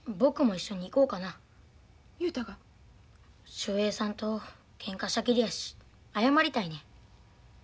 秀平さんとけんかしたきりやし謝りたいねん。